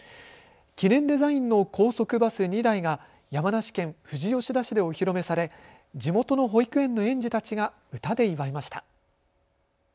記念デザインの高速バス２台が山梨県富士吉田市でお披露目され地元の保育園の園児たちが歌で祝いました。